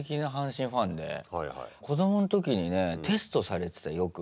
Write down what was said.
子供の時にねテストされてたよく。